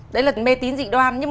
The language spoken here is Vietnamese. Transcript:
đấy là mê tín dị đoan